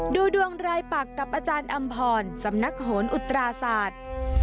ดูดวงรายปักกับอมสำนักโหนอุตราศาสตร์